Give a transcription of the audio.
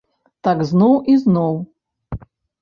Так зноў і зноў.